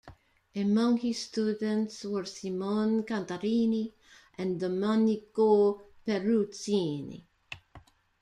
Among his students were Simone Cantarini and Domenico Peruzzini.